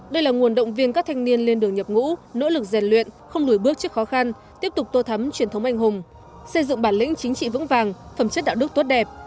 đây là nguồn động viên các thanh niên lên đường nhập ngũ nỗ lực rèn luyện không lùi bước trước khó khăn tiếp tục tô thắm truyền thống anh hùng xây dựng bản lĩnh chính trị vững vàng phẩm chất đạo đức tốt đẹp